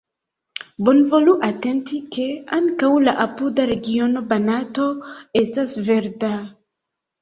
Bonvolu atenti, ke ankaŭ la apuda regiono Banato estas verda.